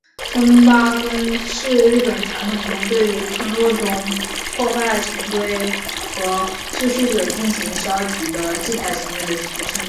村八分是日本传统中对于村落中破坏成规和秩序者进行消极的制裁行为的俗称。